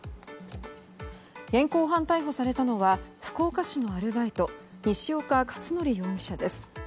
現行犯逮捕されたのは福岡市のアルバイト西岡且准容疑者です。